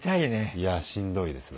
いやしんどいですな。